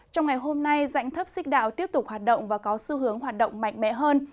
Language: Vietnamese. trong ngày hôm nay dãnh thấp xích đạo tiếp tục hoạt động và có xu hướng hoạt động mạnh mẽ hơn